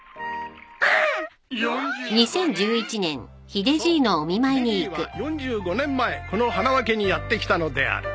ヒデじいは４５年前この花輪家にやって来たのである］